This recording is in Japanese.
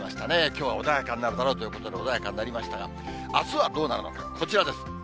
きょうは穏やかになるだろうということで、穏やかになりましたが、あすはどうなるのか、こちらです。